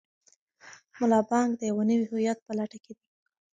ملا بانګ د یو نوي هویت په لټه کې دی.